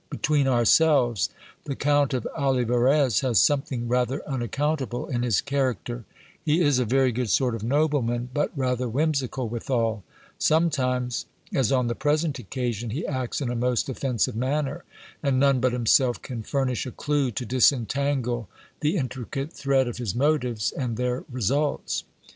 Between ourselves, the Count of Oli varez has something rather unaccountable in his character : he is a very good sort of nobleman, but rather whimsical withal : sometimes, as on the present occasion, he acts in a most offensive manner, and none but himself can furnish a clue to disentangle the intricate thread of his motives and their results.